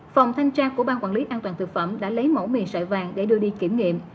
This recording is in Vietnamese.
phòng thanh tra của ban quản lý an toàn thực phẩm đã lấy mẫu mì sợi vàng để đưa đi kiểm nghiệm